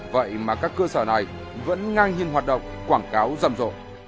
vậy mà các cơ sở này vẫn ngang nhiên hoạt động quảng cáo rầm rộ